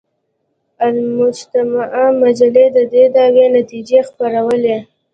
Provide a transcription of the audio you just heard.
المجتمع مجلې د دې دعوې نتیجې خپرولې.